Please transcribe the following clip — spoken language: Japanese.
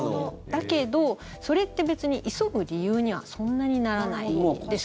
だけど、それって別に急ぐ理由にはそんなにならないですよね。